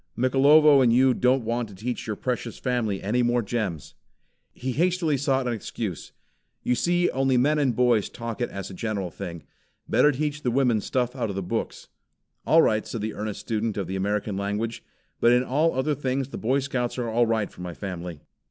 Mikelovo and you don't want to teach your precious family any more gems." He hastily sought an excuse. "You see only men and boys talk it as a general thing. Better teach the women stuff out of the books." "All right," said the earnest student of the American language, "but in all other things the Boy Scouts are all right for my family."